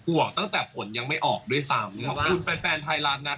ห่วงตั้งแต่ผลยังไม่ออกด้วยซ้ำ